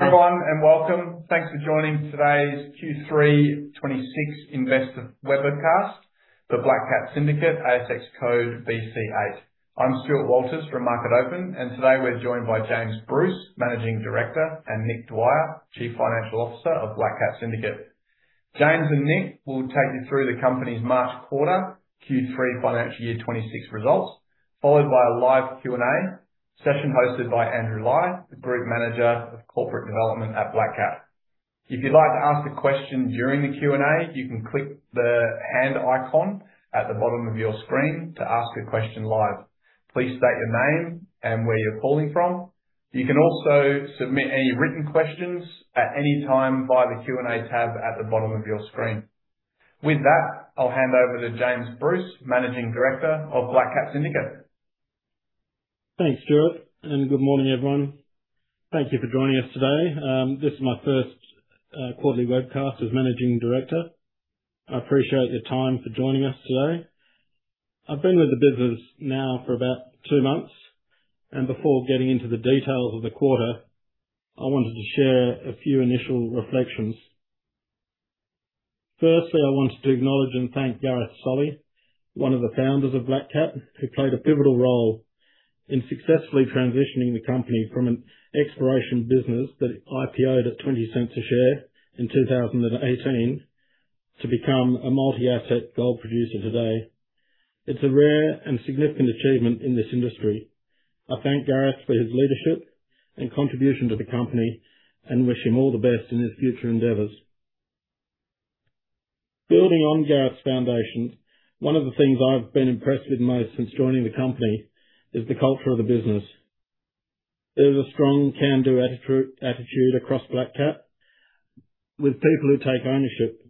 Everyone, welcome. Thanks for joining today's Q3 2026 Investor Webcast, the Black Cat Syndicate, ASX code BC8. I'm Stewart Walters from MarketOpen, and today we're joined by James Bruce, Managing Director, and Nick Dwyer, Chief Financial Officer of Black Cat Syndicate. James and Nick will take you through the company's March quarter, Q3 financial year 2026 results, followed by a live Q&A session hosted by Andrew Lai, the Group Manager of Corporate Development at Black Cat. If you'd like to ask a question during the Q&A, you can click the hand icon at the bottom of your screen to ask a question live. Please state your name and where you're calling from. You can also submit any written questions at any time via the Q&A tab at the bottom of your screen. With that, I'll hand over to James Bruce, Managing Director of Black Cat Syndicate. Thanks, Stewart, and good morning, everyone. Thank you for joining us today. This is my first quarterly webcast as Managing Director. I appreciate your time for joining us today. I've been with the business now for about two months, and before getting into the details of the quarter, I wanted to share a few initial reflections. Firstly, I wanted to acknowledge and thank Gareth Solly, one of the founders of Black Cat, who played a pivotal role in successfully transitioning the company from an exploration business that IPO'd at 0.20 a share in 2018 to become a multi-asset gold producer today. It's a rare and significant achievement in this industry. I thank Gareth for his leadership and contribution to the company and wish him all the best in his future endeavors. Building on Gareth's foundations, one of the things I've been impressed with most since joining the company is the culture of the business. There's a strong can-do attitude across Black Cat with people who take ownership,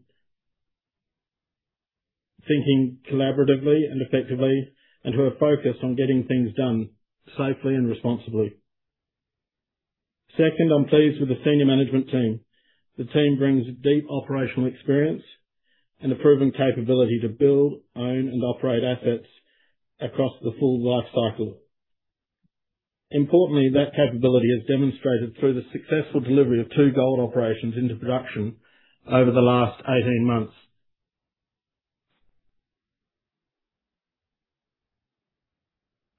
thinking collaboratively and effectively, and who are focused on getting things done safely and responsibly. Second, I'm pleased with the senior management team. The team brings deep operational experience and a proven capability to build, own, and operate assets across the full life cycle. Importantly, that capability is demonstrated through the successful delivery of two gold operations into production over the last 18 months.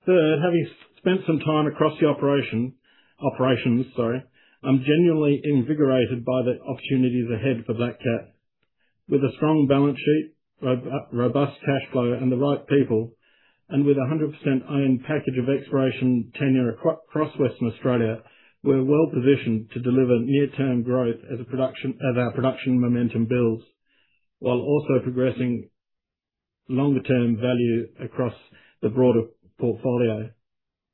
Third, having spent some time across the operations, I'm genuinely invigorated by the opportunities ahead for Black Cat. With a strong balance sheet, robust cash flow, and the right people, and with 100% owned package of exploration tenure across Western Australia, we're well-positioned to deliver near-term growth as our production momentum builds while also progressing longer-term value across the broader portfolio.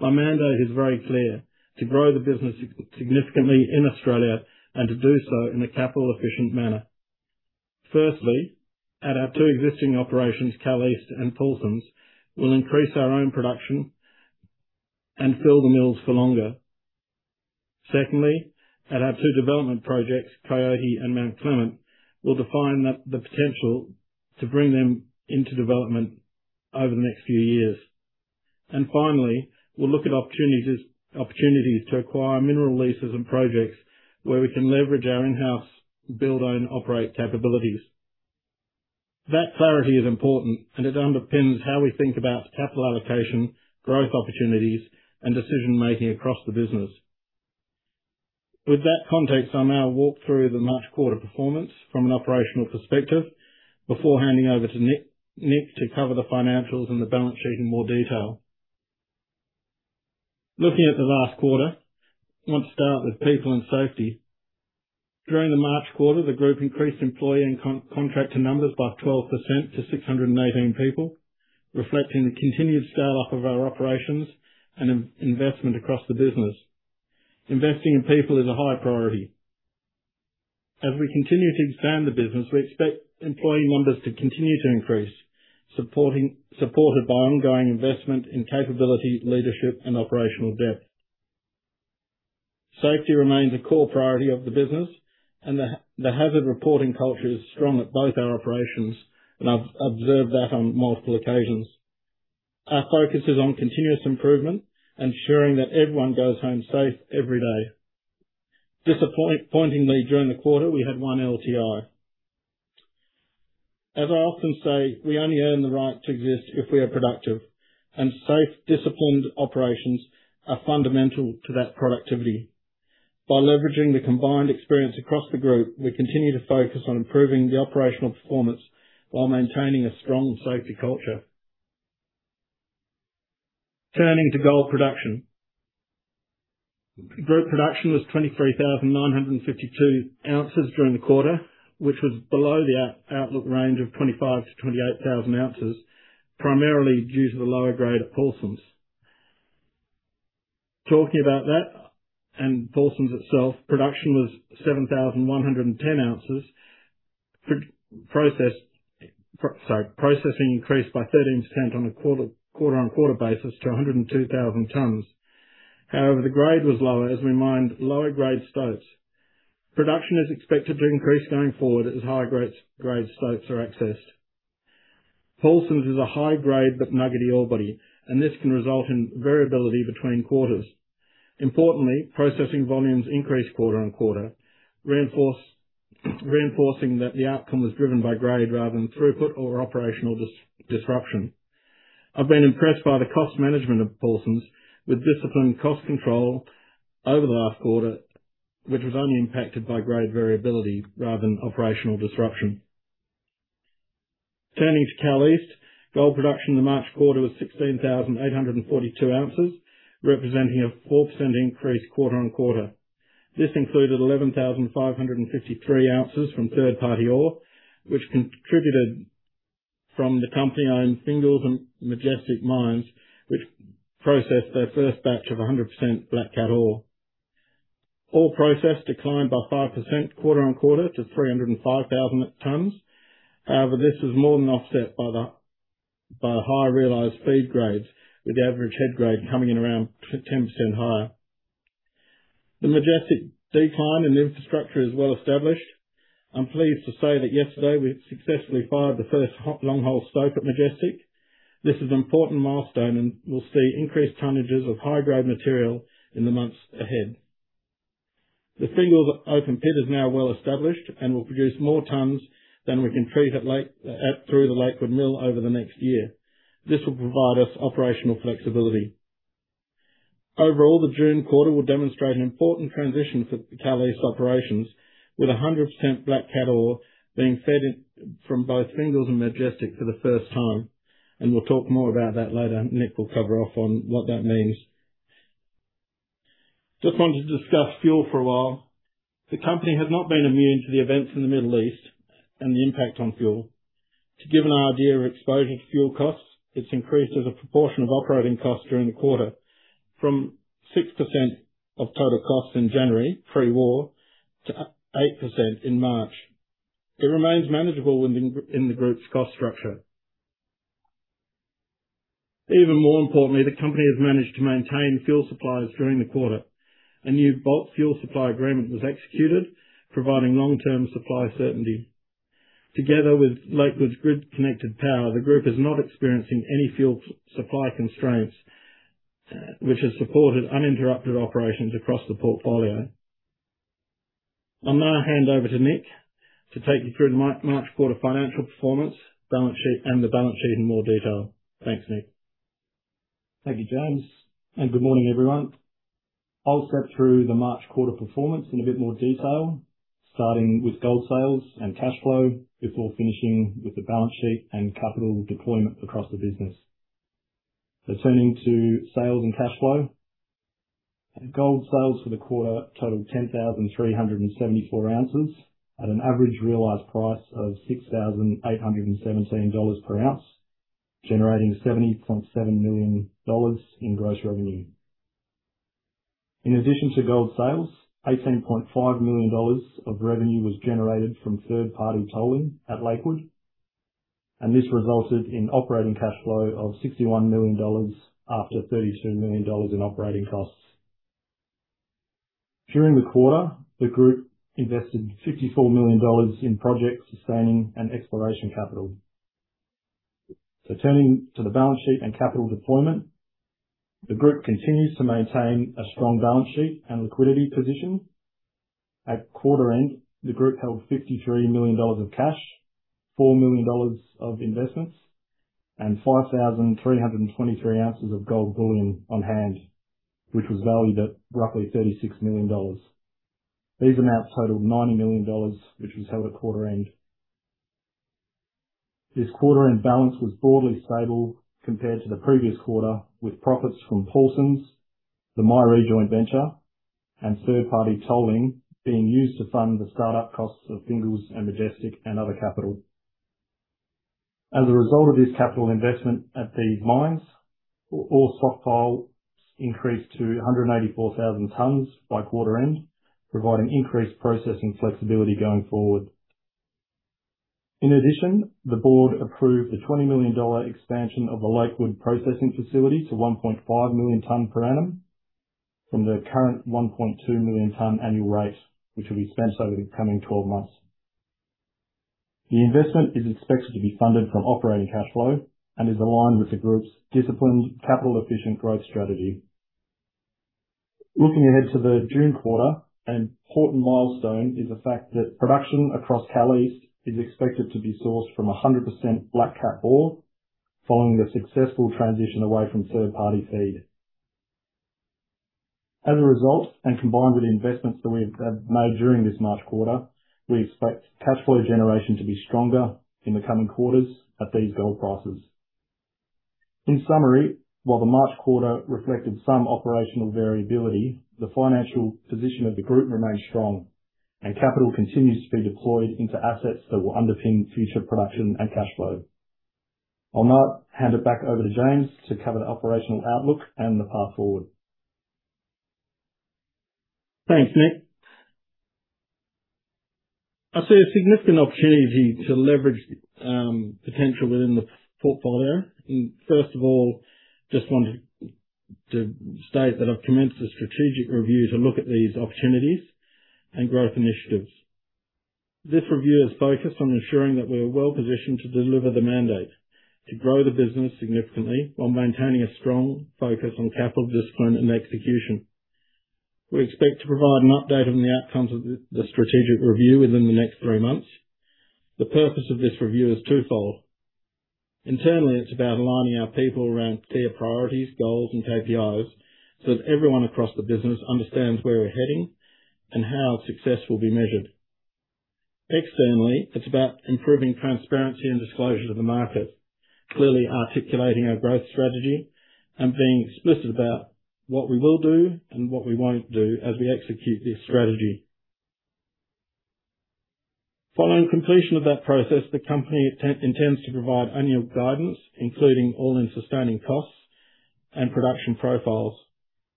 My mandate is very clear. To grow the business significantly in Australia and to do so in a capital-efficient manner. Firstly, at our two existing operations, Kal East and Paulsens, we'll increase our own production and fill the mills for longer. Secondly, at our two development projects, Coyote and Mount Clement, we'll define the potential to bring them into development over the next few years. Finally, we'll look at opportunities to acquire mineral leases and projects where we can leverage our in-house build, own, operate capabilities. That clarity is important, and it underpins how we think about capital allocation, growth opportunities, and decision-making across the business. With that context, I'll now walk through the March quarter performance from an operational perspective before handing over to Nick to cover the financials and the balance sheet in more detail. Looking at the last quarter, I want to start with people and safety. During the March quarter, the group increased employee and contractor numbers by 12% to 618 people, reflecting the continued scale-up of our operations and investment across the business. Investing in people is a high priority. As we continue to expand the business, we expect employee numbers to continue to increase, supported by ongoing investment in capability, leadership, and operational depth. Safety remains a core priority of the business, and the hazard reporting culture is strong at both our operations, and I've observed that on multiple occasions. Our focus is on continuous improvement, ensuring that everyone goes home safe every day. Disappointingly, during the quarter, we had one LTI. As I often say, we only earn the right to exist if we are productive, and safe, disciplined operations are fundamental to that productivity. By leveraging the combined experience across the group, we continue to focus on improving the operational performance while maintaining a strong safety culture. Turning to gold production. Group production was 23,952 ounces during the quarter, which was below the outlook range of 25,000-28,000 ounces, primarily due to the lower grade at Paulsens. Talking about that and Paulsens itself, production was 7,110 ounces. Processing increased by 13% on a quarter-on-quarter basis to 102,000 tons. However, the grade was lower as we mined lower-grade stopes. Production is expected to increase going forward as higher-grade stopes are accessed. Paulsens is a high-grade but nuggety ore body, and this can result in variability between quarters. Importantly, processing volumes increased quarter-on-quarter, reinforcing that the outcome was driven by grade rather than throughput or operational disruption. I've been impressed by the cost management of Paulsens with disciplined cost control over the last quarter, which was only impacted by grade variability rather than operational disruption. Turning to Kal East, gold production in the March quarter was 16,842 ounces, representing a 4% increase quarter-on-quarter. This included 11,553 ounces from third-party ore, which contributed from the company-owned Fingals and Majestic mines, which processed their first batch of 100% Black Cat ore. Ore processed declined by 5% quarter-on-quarter to 305,000 tons. However, this was more than offset by the higher realized feed grades, with the average head grade coming in around 10% higher. The Majestic decline in infrastructure is well-established. I'm pleased to say that yesterday, we successfully fired the first long-hole stope at Majestic. This is an important milestone, and we'll see increased tonnages of high-grade material in the months ahead. The Fingals open pit is now well established and will produce more tons than we can treat through the Lakewood mill over the next year. This will provide us operational flexibility. Overall, the June quarter will demonstrate an important transition for Kal East operations, with 100% Black Cat ore being fed in from both Fingals and Majestic for the first time. We'll talk more about that later. Nick will cover off on what that means. Just wanted to discuss fuel for a while. The company has not been immune to the events in the Middle East and the impact on fuel. To give an idea of exposure to fuel costs, it's increased as a proportion of operating costs during the quarter from 6% of total costs in January, pre-war, to 8% in March. It remains manageable within the group's cost structure. Even more importantly, the company has managed to maintain fuel suppliers during the quarter. A new bulk fuel supply agreement was executed, providing long-term supply certainty. Together with Lakewood's grid-connected power, the group is not experiencing any fuel supply constraints, which has supported uninterrupted operations across the portfolio. I'll now hand over to Nick to take you through the March quarter financial performance and the balance sheet in more detail. Thanks, Nick. Thank you, James, and good morning, everyone. I'll step through the March quarter performance in a bit more detail, starting with gold sales and cash flow, before finishing with the balance sheet and capital deployment across the business. Turning to sales and cash flow. Gold sales for the quarter totaled 10,374 ounces at an average realized price of 6,817 dollars per ounce, generating 77 million dollars in gross revenue. In addition to gold sales, 18.5 million dollars of revenue was generated from third-party tolling at Lakewood, and this resulted in operating cash flow of 61 million dollars after 32 million dollars in operating costs. During the quarter, the group invested 54 million dollars in project sustaining and exploration capital. Turning to the balance sheet and capital deployment. The group continues to maintain a strong balance sheet and liquidity position. At quarter end, the group held 53 million dollars of cash, 4 million dollars of investments, and 5,323 ounces of gold bullion on-hand, which was valued at roughly 36 million dollars. These amounts totaled 90 million dollars, which was held at quarter end. This quarter-end balance was broadly stable compared to the previous quarter, with profits from Paulsens, the Myhree joint venture, and third-party tolling being used to fund the start-up costs of Fingals and Majestic and other capital. As a result of this capital investment at these mines, ore stockpiles increased to 184,000 tons by quarter end, providing increased processing flexibility going forward. In addition, the board approved the 20 million dollar expansion of the Lakewood processing facility to 1.5 million tons per annum from the current 1.2 million ton annual rate, which will be spent over the coming 12 months. The investment is expected to be funded from operating cash flow and is aligned with the group's disciplined capital-efficient growth strategy. Looking ahead to the June quarter, an important milestone is the fact that production across Kal East is expected to be sourced from 100% Black Cat ore following the successful transition away from third-party feed. As a result, and combined with the investments that we have made during this March quarter, we expect cash flow generation to be stronger in the coming quarters at these gold prices. In summary, while the March quarter reflected some operational variability, the financial position of the group remains strong and capital continues to be deployed into assets that will underpin future production and cash flow. I'll now hand it back over to James to cover the operational outlook and the path forward. Thanks, Nick. I see a significant opportunity to leverage potential within the portfolio. First of all, just wanted to state that I've commenced a strategic review to look at these opportunities and growth initiatives. This review is focused on ensuring that we are well-positioned to deliver the mandate, to grow the business significantly while maintaining a strong focus on capital discipline and execution. We expect to provide an update on the outcomes of the strategic review within the next three months. The purpose of this review is twofold. Internally, it's about aligning our people around clear priorities, goals, and KPIs so that everyone across the business understands where we're heading and how success will be measured. Externally, it's about improving transparency and disclosure to the market, clearly articulating our growth strategy and being explicit about what we will do and what we won't do as we execute this strategy. Following completion of that process, the company intends to provide annual guidance, including All-in Sustaining Costs and production profiles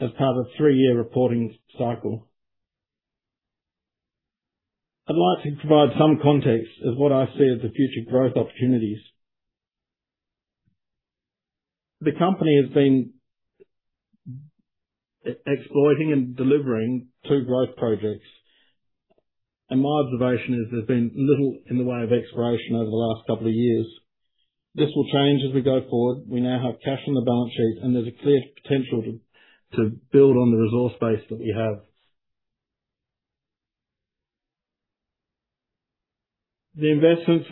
as part of three-year reporting cycle. I'd like to provide some context of what I see as the future growth opportunities. The company has been exploiting and delivering two growth projects. My observation is there's been little in the way of exploration over the last couple of years. This will change as we go forward. We now have cash on the balance sheet, and there's a clear potential to build on the resource base that we have. The investments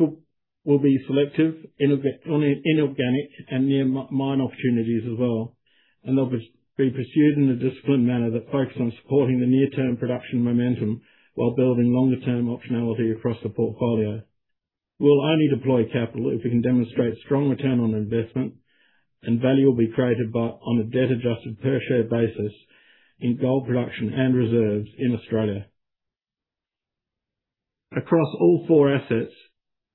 will be selective in organic and near mine opportunities as well. They'll be pursued in a disciplined manner that focus on supporting the near-term production momentum while building longer-term optionality across the portfolio. We'll only deploy capital if we can demonstrate strong return on investment, and value will be created on a debt-adjusted per share basis in gold production and reserves in Australia. Across all four assets,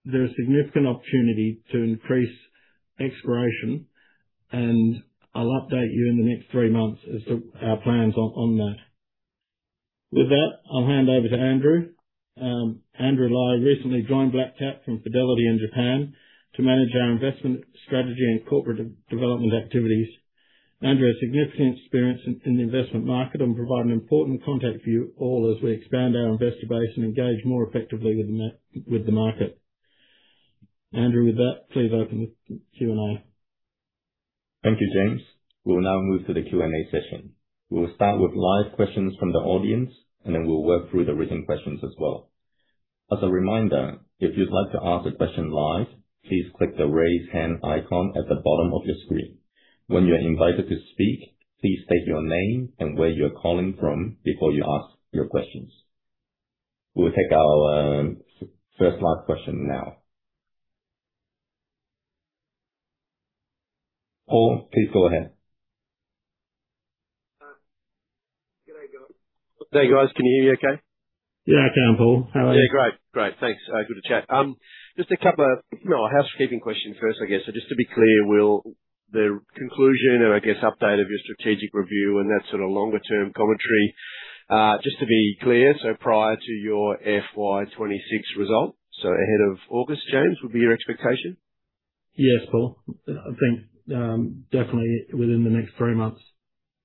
there is significant opportunity to increase exploration, and I'll update you in the next three months as to our plans on that. With that, I'll hand over to Andrew. Andrew Lai recently joined Black Cat from Fidelity in Japan to manage our investment strategy and corporate development activities. Andrew has significant experience in the investment market and provides an important contact for you all as we expand our investor base and engage more effectively with the market. Andrew, with that, please open the Q&A. Thank you, James. We will now move to the Q&A session. We will start with live questions from the audience, and then we'll work through the written questions as well. As a reminder, if you'd like to ask a question live, please click the raise hand icon at the bottom of your screen. When you are invited to speak, please state your name and where you're calling from before you ask your questions. We'll take our first live question now. Paul, please go ahead. Good day, guys. Can you hear me okay? Yeah, I can, Paul. How are you? Yeah, great. Thanks. Good to chat. Just a couple of, no, housekeeping questions first, I guess. So just to be clear, Will, the conclusion or I guess update of your strategic review and that sort of longer-term commentary, just to be clear, so prior to your FY 2026 result, so ahead of August, James, would be your expectation? Yes, Paul. I think, definitely within the next three months.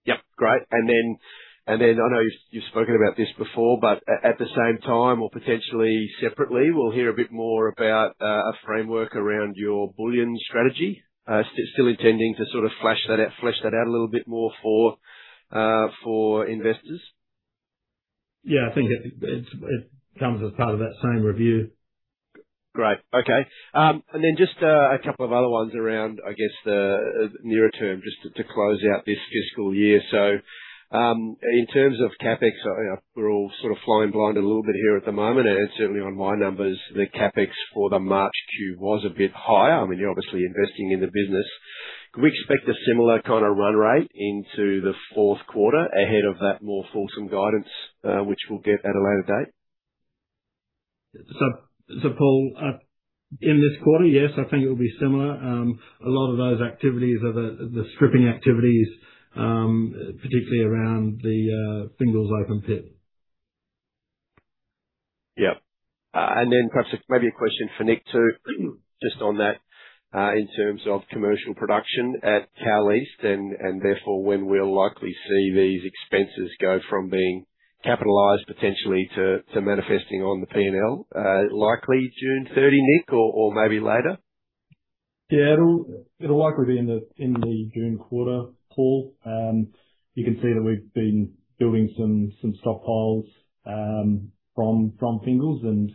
Yep, great. I know you've spoken about this before, but at the same time or potentially separately, we'll hear a bit more about a framework around your bullion strategy. Still intending to sort of flesh that out a little bit more for investors? Yeah, I think it comes as part of that same review. Great. Okay. Then just a couple of other ones around, I guess, the nearer-term, just to close out this fiscal year. In terms of CapEx, we're all sort of flying blind a little bit here at the moment. Certainly on my numbers, the CapEx for the March Q was a bit higher. I mean, you're obviously investing in the business. Could we expect a similar kind of run-rate into the fourth quarter ahead of that more fulsome guidance, which we'll get at a later date? Paul, in this quarter, yes, I think it will be similar. A lot of those activities are the stripping activities, particularly around the Fingals open pit. Perhaps maybe a question for Nick, too, just on that, in terms of commercial production at Kal East and therefore when we'll likely see these expenses go from being capitalized potentially to manifesting on the P&L, likely June 30, Nick, or maybe later? Yeah, it'll likely be in the June quarter, Paul. You can see that we've been building some stockpiles from Fingals, and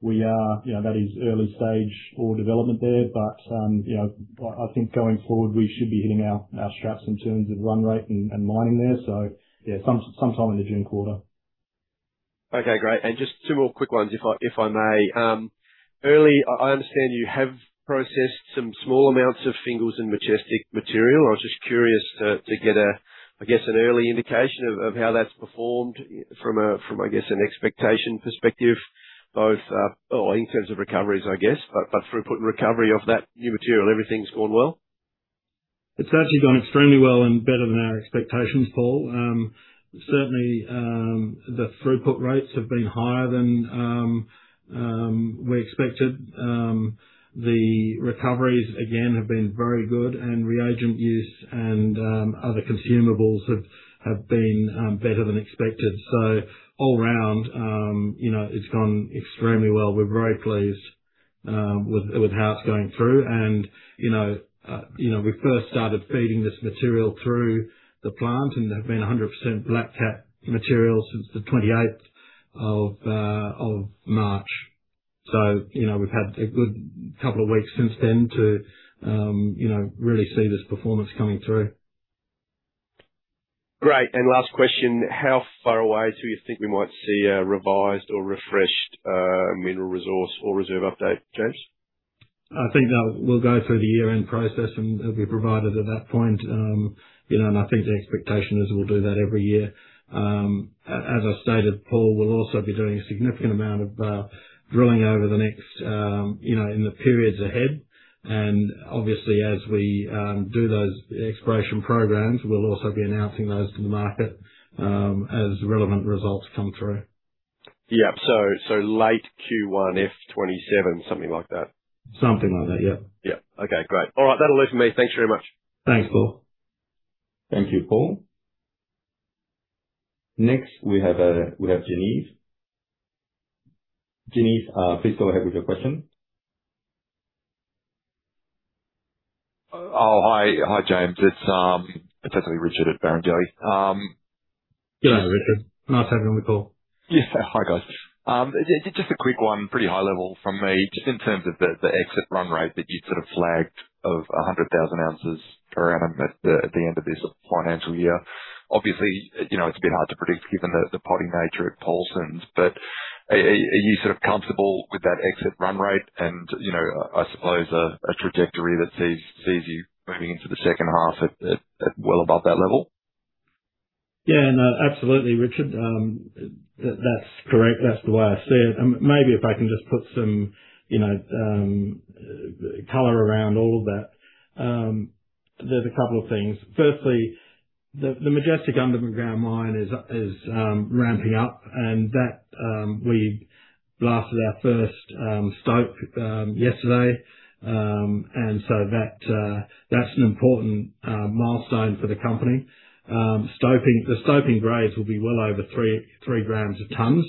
we are. You know, that is early stage ore development there. You know, I think going forward, we should be hitting our straps in terms of run-rate and mining there. Yeah, sometime in the June quarter. Okay, great. Just two more quick ones, if I may. Earlier, I understand you have processed some small amounts of Fingals and Majestic material. I was just curious to get a, I guess, an early indication of how that's performed from a, I guess, an expectation perspective, both or in terms of recoveries, I guess. Throughput and recovery of that new material, everything's going well? It's actually gone extremely well and better than our expectations, Paul. Certainly, the throughput rates have been higher than we expected. The recoveries again have been very good and reagent use and other consumables have been better than expected. All around, you know, it's gone extremely well. We're very pleased with how it's going through. We first started feeding this material through the plant, and they've been 100% Black Cat material since the 28th of March. We've had a good couple of weeks since then to really see this performance coming through. Great. Last question, how far away do you think we might see a revised or refreshed mineral resource or reserve update, James? I think that we'll go through the year-end process, and it'll be provided at that point. I think the expectation is we'll do that every year. As I stated, Paul, we'll also be doing a significant amount of drilling over the next, in the periods ahead. Obviously, as we do those exploration programs, we'll also be announcing those to the market, as relevant results come through. Yep. Late Q1, FY 2027, something like that? Something like that, yep. Yep. Okay, great. All right. That'll do for me. Thanks very much. Thanks, Paul. Thank you, Paul. Next, we have Janice. Janice, please go ahead with your question. Oh, hi, James. It's actually Richard at Barrenjoey. Yeah, Richard. Nice having you on the call. Yes. Hi, guys. Just a quick one, pretty high level from me, just in terms of the exit run-rate that you'd sort of flagged of 100,000 ounces per annum at the end of this financial year. Obviously, it's a bit hard to predict given the spotty nature of Paulsens, but are you sort of comfortable with that exit run-rate and I suppose a trajectory that sees you moving into the second half at well above that level? Yeah. No, absolutely, Richard. That's correct. That's the way I see it. Maybe if I can just put some color around all of that. There's a couple of things. Firstly, the Majestic underground mine is ramping up and that we blasted our first stope yesterday. That's an important milestone for the company. The stoping grades will be well over 3 grams a ton,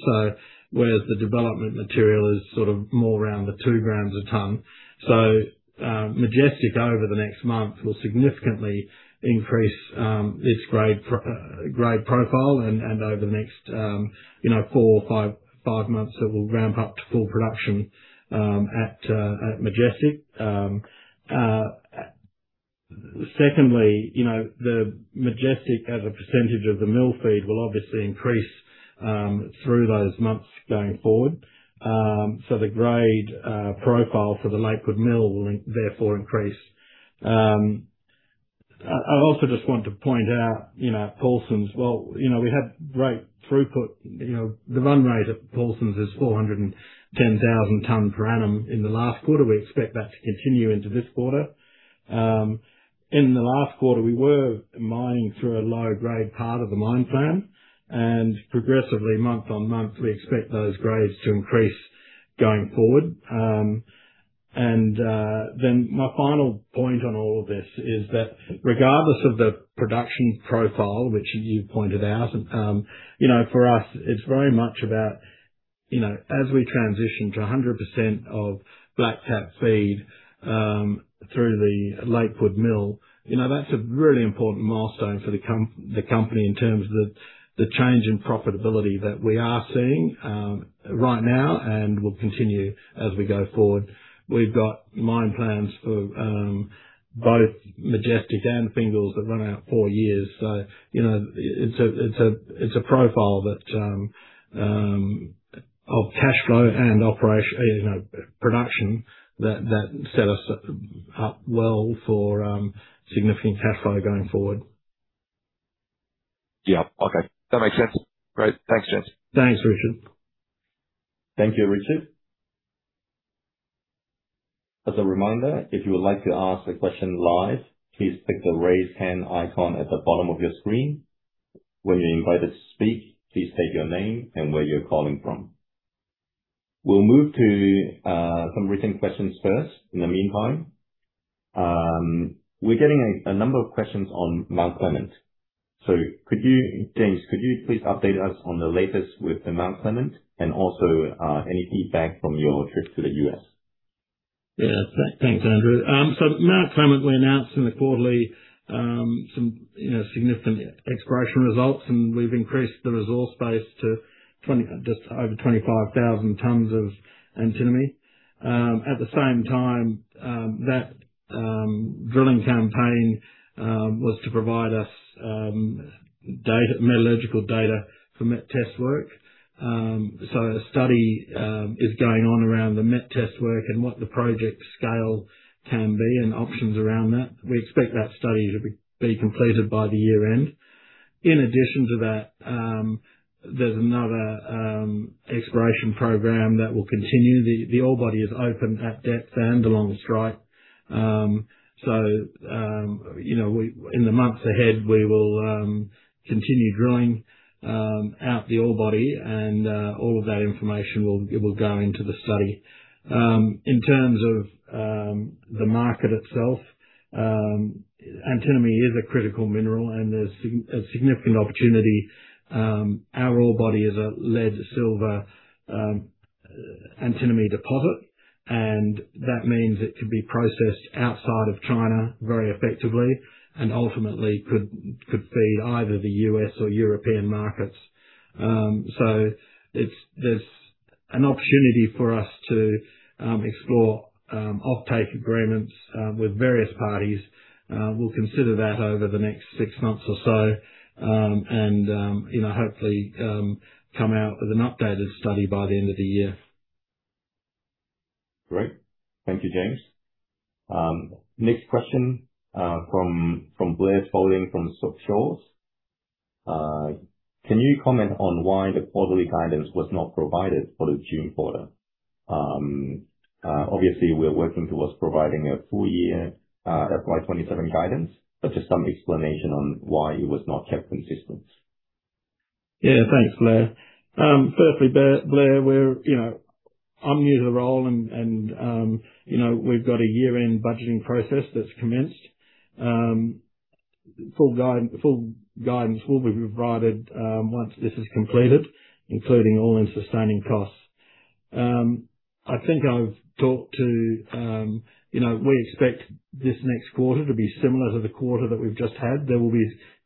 whereas the development material is sort of more around the 2 grams a ton. Majestic over the next month will significantly increase this grade profile and over the next four or five months it will ramp up to full production at Majestic. Secondly, the Majestic as a percentage of the mill feed will obviously increase through those months going forward. The grade profile for the Lakewood mill will therefore increase. I also just want to point out, Paulsens, well, we have great throughput. The run-rate at Paulsens is 410,000 tons per annum. In the last quarter, we expect that to continue into this quarter. In the last quarter, we were mining through a low-grade part of the mine plan, and progressively month-on-month, we expect those grades to increase going forward. My final point on all of this is that regardless of the production profile, which you pointed out, for us, it's very much about as we transition to 100% of Black Cat feed through the Lakewood mill, that's a really important milestone for the company in terms of the change in profitability that we are seeing right now and will continue as we go forward. We've got mine plans for both Majestic and Fingals that run out four years. It's a profile of cash flow and production that set us up well for significant cash flow going forward. Yep. Okay. That makes sense. Great. Thanks, James. Thanks, Richard. Thank you, Richard. As a reminder, if you would like to ask a question live, please pick the raise hand icon at the bottom of your screen. When you're invited to speak, please state your name and where you're calling from. We'll move to some written questions first in the meantime. We're getting a number of questions on Mount Clement. James, could you please update us on the latest with the Mount Clement and also, any feedback from your trip to the U.S.? Yeah. Thanks, Andrew. Mount Clement, we announced in the quarterly some significant exploration results, and we've increased the resource base to just over 25,000 tons of antimony. At the same time, that drilling campaign was to provide us metallurgical data for met test work. A study is going on around the met test work and what the project scale can be and options around that. We expect that study to be completed by the year-end. In addition to that, there's another exploration program that will continue. The ore body is open at depth and along strike. In the months ahead, we will continue drilling out the ore body and all of that information will go into the study. In terms of the market itself, antimony is a critical mineral, and there's a significant opportunity. Our ore body is a lead-silver-antimony deposit, and that means it can be processed outside of China very effectively, and ultimately could feed either the U.S. or European markets. There's an opportunity for us to explore offtake agreements with various parties. We'll consider that over the next six months or so, and hopefully come out with an updated study by the end of the year. Great. Thank you, James. Next question from [Blair Spaulding] from [Shaw and Partners]. Can you comment on why the quarterly guidance was not provided for the June quarter? Obviously, we are working towards providing a full-year FY 2027 guidance, but just some explanation on why it was not kept consistent. Yeah, thanks, Blair. Firstly, Blair, I'm new to the role and we've got a year-end budgeting process that's commenced. Full guidance will be provided once this is completed, including All-in Sustaining Costs. We expect this next quarter to be similar to the quarter that we've just had. There will be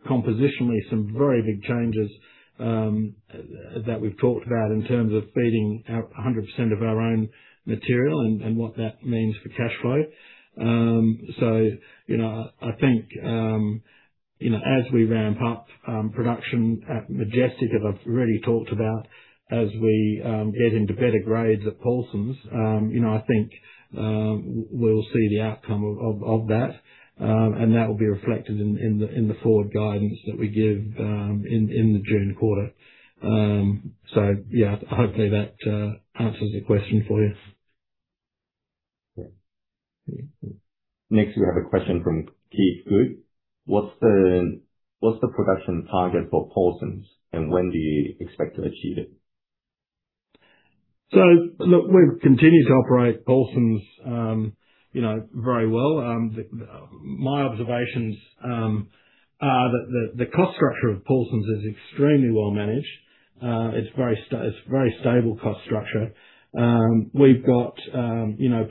compositionally some very big changes that we've talked about in terms of feeding 100% of our own material and what that means for cash flow. I think as we ramp-up production at Majestic, as I've already talked about, as we get into better grades at Paulsens, I think we'll see the outcome of that, and that will be reflected in the forward guidance that we give in the June quarter. Yeah, hopefully that answers your question for you. Great. Next, we have a question from Keith Goode. What's the production target for Paulsens, and when do you expect to achieve it? Look, we've continued to operate Paulsens very well. My observations are that the cost structure of Paulsens is extremely well managed. It's a very stable cost structure. We've got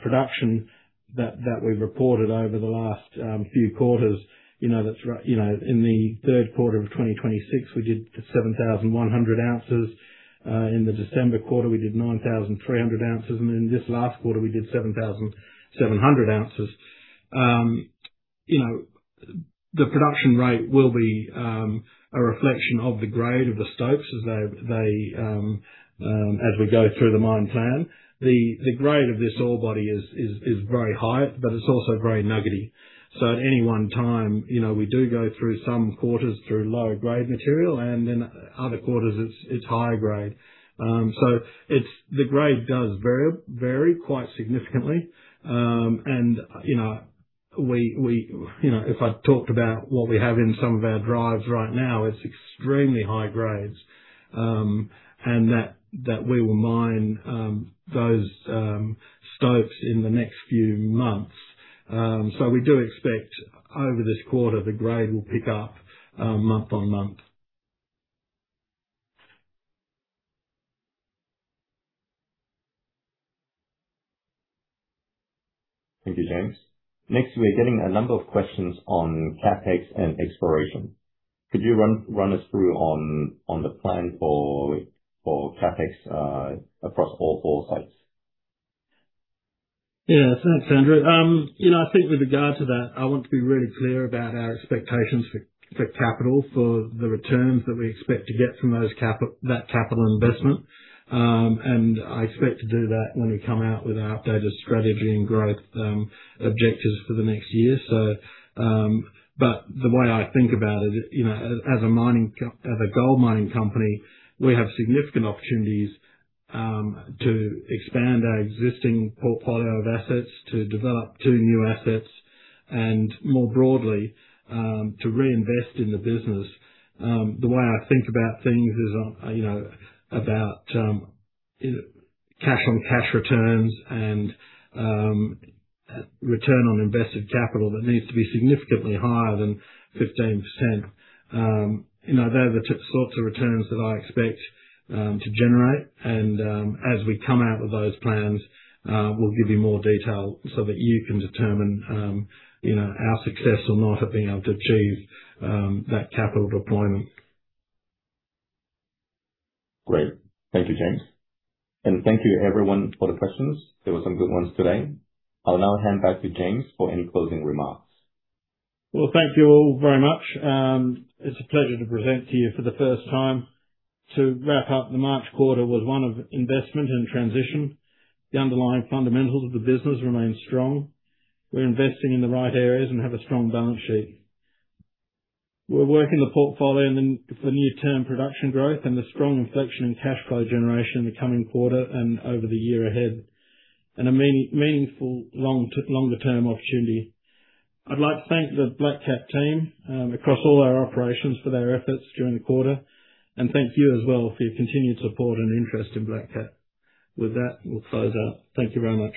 production that we reported over the last few quarters. In the third quarter of 2026, we did 7,100 ounces. In the December quarter, we did 9,300 ounces, and in this last quarter, we did 7,700 ounces. The production rate will be a reflection of the grade of the stopes as we go through the mine plan. The grade of this ore body is very high, but it's also very nuggety. At any one time, we do go through some quarters through low-grade material, and then other quarters it's high grade. The grade does vary quite significantly. If I talked about what we have in some of our drives right now, it's extremely high grades, and that we will mine those stopes in the next few months. We do expect over this quarter, the grade will pick up month-on-month. Thank you, James. Next, we are getting a number of questions on CapEx and exploration. Could you run us through on the plan for CapEx across all four sites? Yeah. Thanks, Andrew. I think with regard to that, I want to be really clear about our expectations for capital, for the returns that we expect to get from that capital investment. I expect to do that when we come out with our updated strategy and growth objectives for the next year. The way I think about it, as a gold mining company, we have significant opportunities to expand our existing portfolio of assets, to develop two new assets, and more broadly, to reinvest in the business. The way I think about things is about cash on cash returns and return on invested capital that needs to be significantly higher than 15%. They're the sorts of returns that I expect to generate, and as we come out with those plans, we'll give you more detail so that you can determine our success or not at being able to achieve that capital deployment. Great. Thank you, James. Thank you everyone for the questions. There were some good ones today. I'll now hand back to James for any closing remarks. Well, thank you all very much. It's a pleasure to present to you for the first time. To wrap up, the March quarter was one of investment and transition. The underlying fundamentals of the business remain strong. We're investing in the right areas and have a strong balance sheet. We're working the portfolio for near-term production growth and a strong inflection in cash flow generation in the coming quarter and over the year ahead, and a meaningful longer-term opportunity. I'd like to thank the Black Cat team across all our operations for their efforts during the quarter, and thank you as well for your continued support and interest in Black Cat. With that, we'll close out. Thank you very much.